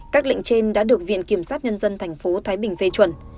các lệnh trên đã được viện kiểm sát nhân dân thành phố thái bình phê chuẩn